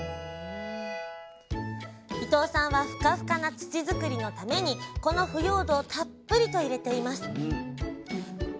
伊藤さんはふかふかな土作りのためにこの腐葉土をたっぷりと入れています